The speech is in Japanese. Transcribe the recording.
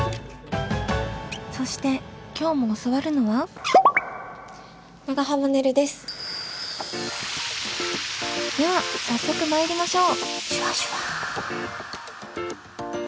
そして今日も教わるのはでは早速参りましょう！